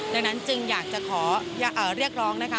ดังนั้นจึงอยากจะขอเรียกร้องนะคะ